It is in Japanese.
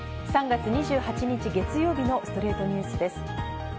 ３月２８日、月曜日の『ストレイトニュース』です。